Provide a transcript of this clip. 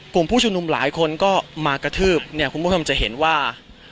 กลุ่มผู้ชุมนุมหลายคนก็มากระทืบเนี่ยคุณผู้ชมจะเห็นว่า